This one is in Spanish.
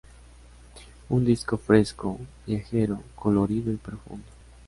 Un disco fresco, viajero, colorido y profundo.